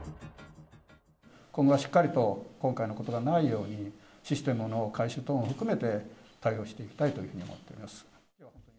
今後はしっかりと、今回のようなことがないように、システムの改修等も含めて、対応していきたいというふうに思っております。